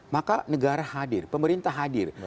maka negara hadir pemerintah hadir